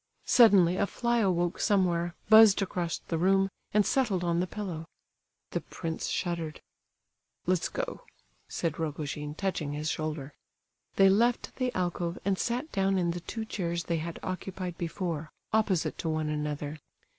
Suddenly a fly awoke somewhere, buzzed across the room, and settled on the pillow. The prince shuddered. "Let's go," said Rogojin, touching his shoulder. They left the alcove and sat down in the two chairs they had occupied before, opposite to one another.